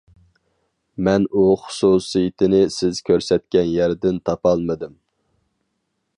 مەن ئۇ خۇسۇسىيىتىنى سىز كۆرسەتكەن يەردىن تاپالمىدىم.